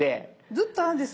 ずっと「あ」です